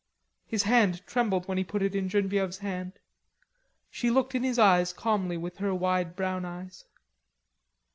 His hand trembled when he put it in Genevieve's hand. She looked in his eyes calmly with her wide brown eyes.